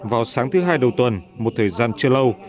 vào sáng thứ hai đầu tuần một thời gian chưa lâu